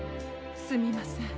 すみません。